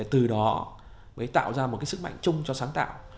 từ đó mới tạo ra một cái sức mạnh chung cho sáng tạo